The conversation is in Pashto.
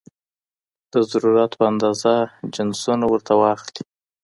د ضرورت په اندازه جنسونه ورته واخلي